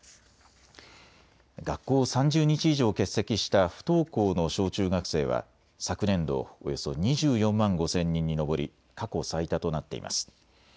学校を３０日以上欠席した不登校の小中学生は昨年度およそ２４万５０００人に上り過去最多となっています。